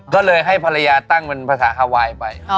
ก็เลยให้ภรรยาตั้งเป็นภาษาฮาไวน์ไป